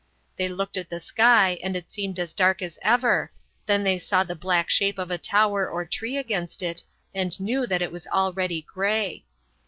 They looked at the sky and it seemed as dark as ever; then they saw the black shape of a tower or tree against it and knew that it was already grey.